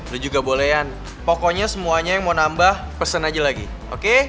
lu juga bolehan pokoknya semuanya yang mau nambah pesen aja lagi oke